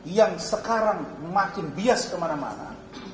yang sekarang makin bias kemana mana